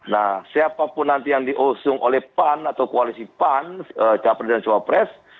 nah siapapun nanti yang diusung oleh pan atau koalisi pan capres dan cawapres